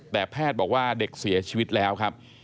แต่แพทย์บอกว่าเด็กเสียชีวิตแล้วครับ